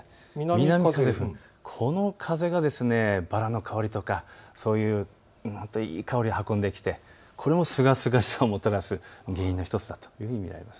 南風が吹く、この風がバラの香りとかいい香りを運んできてこれもすがすがしさをもたらす原因の１つだと思います。